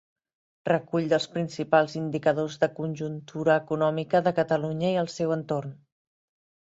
Recull dels principals indicadors de conjuntura econòmica de Catalunya i del seu entorn.